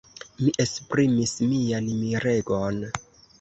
Mi esprimis mian miregon.